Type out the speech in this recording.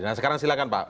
nah sekarang silakan pak